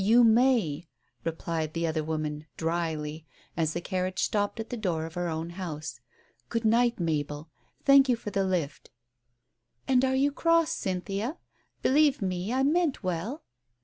You may," replied the other woman, drily, as the carriage stopped at the door of her own house. "Good night, Mabel ! Thank you for the lift." "And are you cross, Cynthia? Believe me, I meant well."